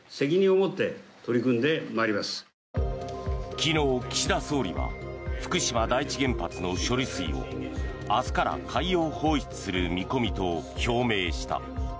昨日、岸田総理は福島第一原発の処理水を明日から海洋放出する見込みと表明した。